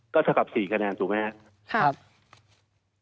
ก็จะกลับ๔คะแนนถูกไหมนะครับ